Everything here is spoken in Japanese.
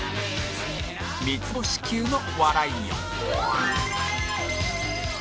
三つ星級の笑いを